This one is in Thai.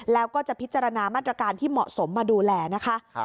แล้วก็จะพิจารณามาตรการที่เหมาะสมมาดูแลนะคะ